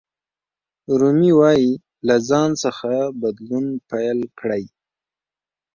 رومي وایي له ځان څخه بدلون پیل کړئ.